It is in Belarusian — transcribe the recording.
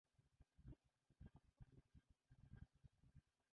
І была магчымасць застацца.